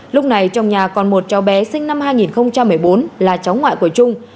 lúc này trong nhà còn một cháu bé sinh năm hai nghìn một mươi bốn là cháu ngoại của trung